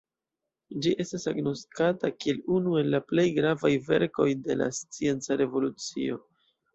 Ĝi estas agnoskata kiel unu el la plej gravaj verkoj de la Scienca revolucio.